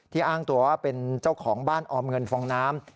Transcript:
อ้างตัวว่าเป็นเจ้าของบ้านออมเงินฟองน้ำ